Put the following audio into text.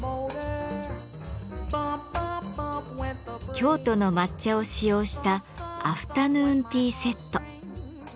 京都の抹茶を使用したアフタヌーンティーセット。